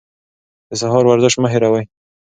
د سهار ورزش مه هېروئ.